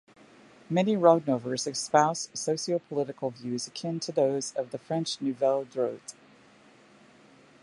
Many Rodnovers espouse socio-political views akin to those of the French "Nouvelle Droite".